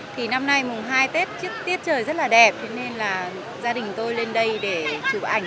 thì năm nay mùng hai tết tiết trời rất là đẹp thế nên là gia đình tôi lên đây để chụp ảnh